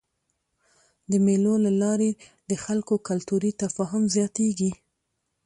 د مېلو له لاري د خلکو کلتوري تفاهم زیاتېږي.